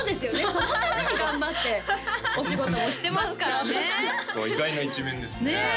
そのために頑張ってお仕事をしてますからね意外な一面ですねねえ